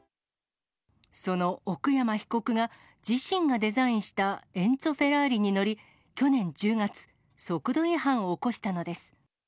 その奥山被告が、自身がデザインしたエンツォ・フェラーリに乗り、去年１０月、速度違反を起こしたのです。